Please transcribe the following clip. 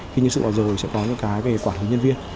khi nhân sự vào rồi sẽ có những cái về quản lý nhân viên